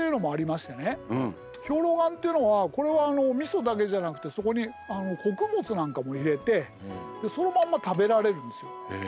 兵糧丸っていうのはこれはみそだけじゃなくてそこに穀物なんかも入れてそのまんま食べられるんですよ。